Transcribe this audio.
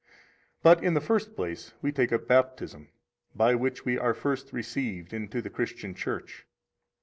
2 But, in the first place, we take up Baptism, by which we are first received into the Christian Church.